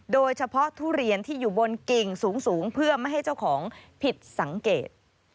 ทุเรียนที่อยู่บนกิ่งสูงเพื่อไม่ให้เจ้าของผิดสังเกต